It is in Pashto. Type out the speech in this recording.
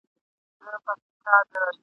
د وطن پر کروندگرو دهقانانو !.